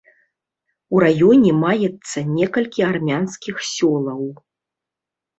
У раёне маецца некалькі армянскіх сёлаў.